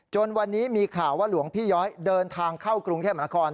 วันนี้มีข่าวว่าหลวงพี่ย้อยเดินทางเข้ากรุงเทพมนาคม